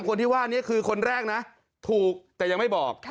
คนที่ว่านี้คือคนแรกนะถูกแต่ยังไม่บอก